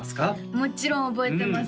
もちろん覚えてます